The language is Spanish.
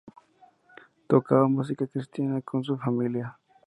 Tocaba música cristiana con su familia.